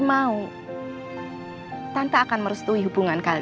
semoga kamu cepat sembuh ya mas